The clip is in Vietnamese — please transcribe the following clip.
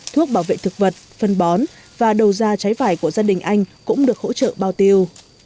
thuốc bảo vệ thực vật phân bón và đầu da trái vải của gia đình anh cũng được hỗ trợ bao tiêu